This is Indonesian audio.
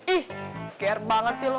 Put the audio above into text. ih care banget sih lo